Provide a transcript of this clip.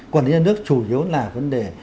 quản lý dân nước chủ yếu là vấn đề